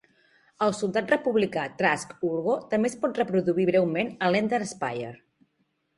El soldat republicà Trask Ulgo també es pot reproduir breument a "l'Endar Spire".